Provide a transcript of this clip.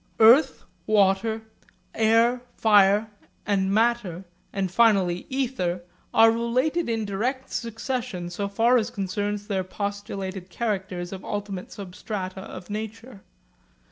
Earth, water, air, fire, and matter, and finally ether are related in direct succession so far as concerns their postulated characters of ultimate substrata of nature.